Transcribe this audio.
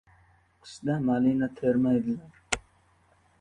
• Qishda malina termaydilar.